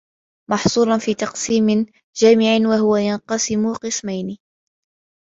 مَحْصُورًا فِي تَقْسِيمٍ جَامِعٍ وَهُوَ يَنْقَسِمُ قِسْمَيْنِ